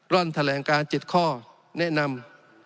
ร่อนแถลงการ๗ข้อแนะนำ